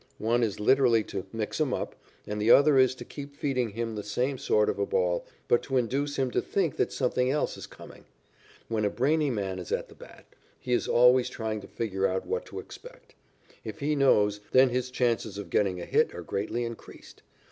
One is literally to "mix 'em up," and the other is to keep feeding him the same sort of a ball, but to induce him to think that something else is coming. When a brainy man is at the bat, he is always trying to figure out what to expect. If he knows, then his chances of getting a hit are greatly increased.